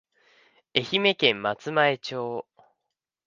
愛媛県松前町